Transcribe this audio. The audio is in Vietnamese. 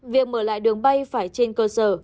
việc mở lại đường bay phải trên cơ sở